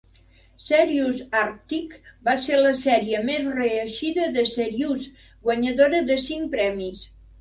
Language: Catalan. "Serious Arctic" va ser la sèrie més reeixida de "Serious", guanyadora de cinc premis.